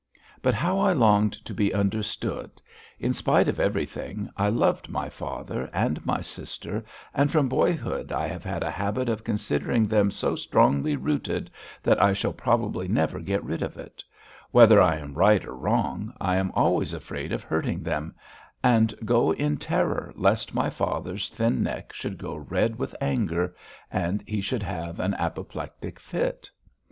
But how I longed to be understood! In spite of everything, I loved my father and my sister, and from boyhood I have had a habit of considering them, so strongly rooted that I shall probably never get rid of it; whether I am right or wrong I am always afraid of hurting them, and go in terror lest my father's thin neck should go red with anger and he should have an apoplectic fit.